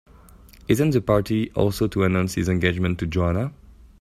Isn't the party also to announce his engagement to Joanna?